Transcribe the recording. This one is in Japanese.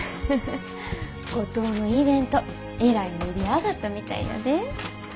五島のイベントえらい盛り上がったみたいやで。